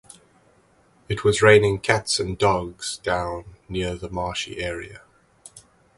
It was raining cats and dogs down near the marshy area.